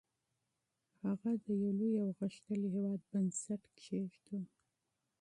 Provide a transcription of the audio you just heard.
هغه د یو لوی او غښتلي هېواد بنسټ کېښود.